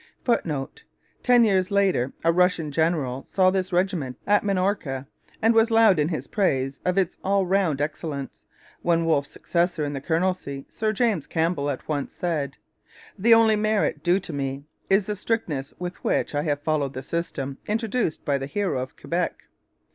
[Footnote: Ten years later a Russian general saw this regiment at Minorca and was loud in his praise of its all round excellence, when Wolfe's successor in the colonelcy, Sir James Campbell, at once said: 'The only merit due to me is the strictness with which I have followed the system introduced by the hero of Quebec.'